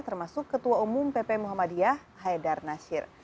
termasuk ketua umum pp muhammadiyah haidar nasir